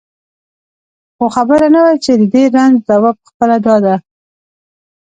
خو خبره نه وه چې د دې رنځ دوا پخپله دا ده.